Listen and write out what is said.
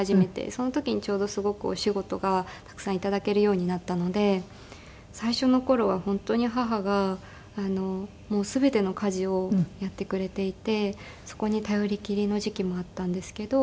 その時にちょうどすごくお仕事がたくさん頂けるようになったので最初の頃は本当に母が全ての家事をやってくれていてそこに頼りきりの時期もあったんですけど。